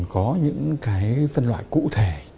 có những phân loại cụ thể